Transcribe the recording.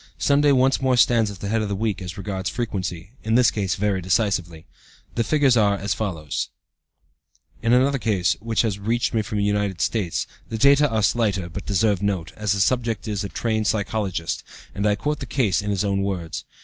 Sunday once more stands at the head of the week as regards frequency, in this case very decisively. The figures are as follows: Sun. Mon. Tues. Wed. Thurs. Fri. Sat. 48 21 24 35 28 26 27 In another case which has reached me from the United States, the data are slighter, but deserve note, as the subject is a trained psychologist, and I quote the case in his own words.